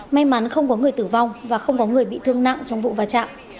may mắn không có người tử vong và không có người bị thương nặng trong vụ va chạm